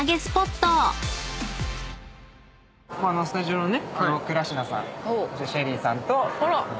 スタジオのね。